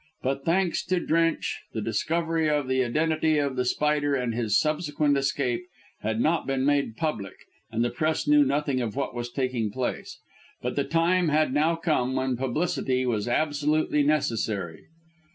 But, thanks to Drench, the discovery of the identity of The Spider and his subsequent escape had not yet been made public, and the Press knew nothing of what was taking place. But the time had now come when publicity was absolutely necessary.